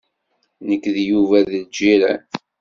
Nekk d Yuba d lǧiran.